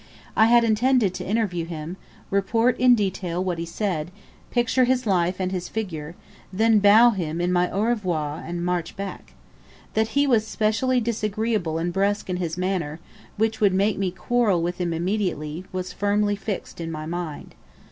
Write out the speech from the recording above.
I had intended to interview him, report in detail what he said, picture his life and his figure, then bow him my "au revoir," and march back. That he was specially disagreeable and brusque in his manner, which would make me quarrel with him immediately, was firmly fixed in my mind.